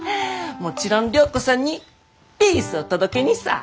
もちろん良子さんにピースを届けにさぁ。